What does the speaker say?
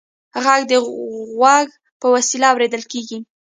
غږ د غوږ په وسیله اورېدل کېږي.